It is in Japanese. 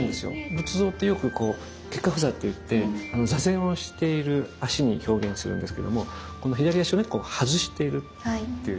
仏像ってよくこう結跏趺坐といって坐禅をしている足に表現をするんですけどもこの左足をね外しているっていう。